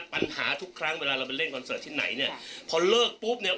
ปัญหาทุกครั้งเวลาเราไปเล่นคอนเสิร์ตที่ไหนเนี่ยพอเลิกปุ๊บเนี่ย